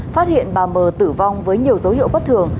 phát hiện bà mờ tử vong với nhiều dấu hiệu bất thường